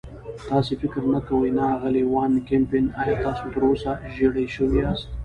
تاسې فکر نه کوئ؟ نه، اغلې وان کمپن، ایا تاسې تراوسه ژېړی شوي یاست؟